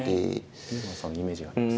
井山さんのイメージがあります。